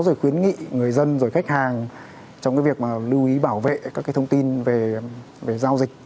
rồi khuyến nghị người dân rồi khách hàng trong cái việc mà lưu ý bảo vệ các cái thông tin về giao dịch